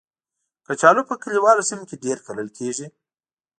کچالو په کلیوالو سیمو کې ډېر کرل کېږي